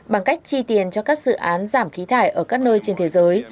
bằng cách chi tiền cho các dự án giảm khí thải ở các nơi trên thế giới